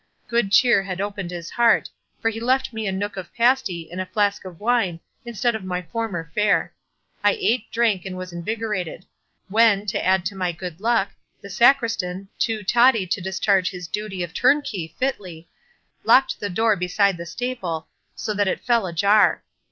Good cheer had opened his heart, for he left me a nook of pasty and a flask of wine, instead of my former fare. I ate, drank, and was invigorated; when, to add to my good luck, the Sacristan, too totty to discharge his duty of turnkey fitly, locked the door beside the staple, so that it fell ajar.